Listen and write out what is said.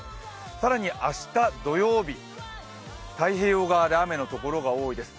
更に明日土曜日、太平洋側で雨のところが多いです。